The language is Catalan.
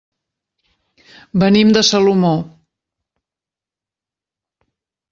Venim de Salomó.